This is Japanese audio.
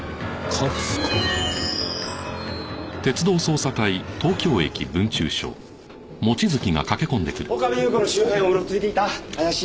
岡部祐子の周辺をうろついていた怪しい男がいたそうです。